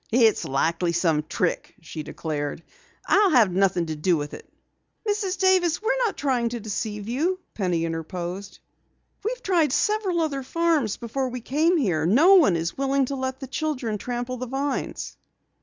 "It's likely some trick!" she declared. "I'll have nothing to do with it!" "Mrs. Davis, we're not trying to deceive you," Penny interposed earnestly. "We've tried several other farms before we came here. No one is willing to let the children trample the vines."